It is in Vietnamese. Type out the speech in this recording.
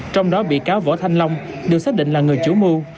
trong đó bị cáo võ thanh long được xác định là người chủ mưu